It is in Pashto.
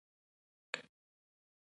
کرنه د زراعتي ساینس سره مخ پر ودې ده.